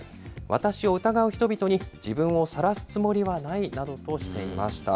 私を疑う人々に自分をさらすつもりはないなどとしていました。